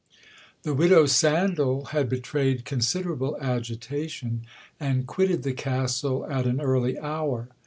The widow Sandal had betrayed considerable agitation, and quitted the Castle at an early hour.